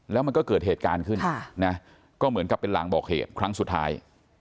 แล้วมันก็เกิดเหตุการณ์ขึ้นนะก็เหมือนกับเป็นลางบอกเหตุครั้งสุดท้าย